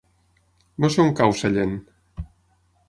No sé on cau Sellent.